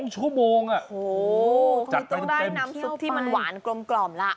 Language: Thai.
๒ชั่วโมงอ่ะโอ้โหไม่ต้องได้น้ำซุปที่มันหวานกลมละ